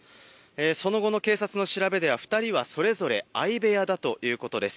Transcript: その後の警察の調べでは、２人はそれぞれ相部屋だということです。